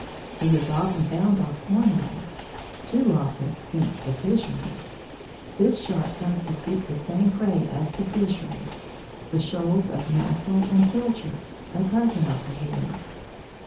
He is often found off Cornwall too often, thinks the fisherman. This Shark comes to seek the same prey as the fisherman the shoals of Mackerel and Pilchard (a cousin of the Herring).